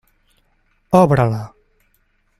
Obre-la.